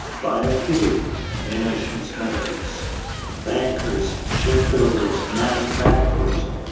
By a few. Munitions makers. Bankers. Ship builders. Manufacturers.